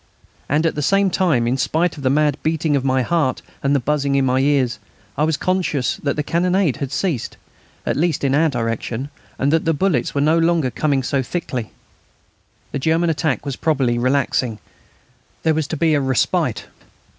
And at the same time, in spite of the mad beating of my heart and the buzzing in my ears, I was conscious that the cannonade had ceased, at least in our direction, and that the bullets were no longer coming so thickly. The German attack was probably relaxing; there was to be a respite.